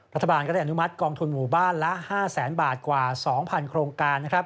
รัฐบาลก็ได้อนุมัติกองทุนหมู่บ้านละ๕แสนบาทกว่า๒๐๐โครงการนะครับ